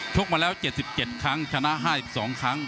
กมาแล้ว๗๗ครั้งชนะ๕๒ครั้ง